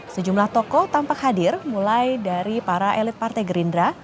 sejumlah tokoh tampak hadir mulai dari para elit partai gerindra